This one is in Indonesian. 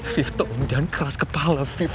fit tolong jangan keras kepala fit